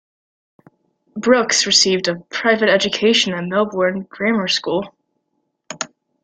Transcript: Brookes received a private education at Melbourne Grammar School.